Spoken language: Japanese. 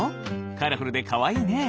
カラフルでかわいいね！